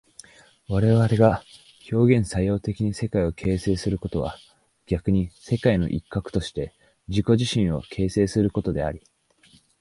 我々が表現作用的に世界を形成することは逆に世界の一角として自己自身を形成することであり、